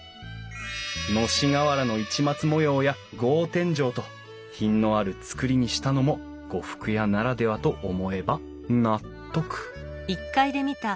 のし瓦の市松模様や格天井と品のある造りにしたのも呉服屋ならではと思えば納得